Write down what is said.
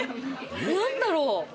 何だろう？